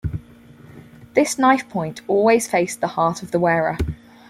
This knife point always faced the heart of the wearer.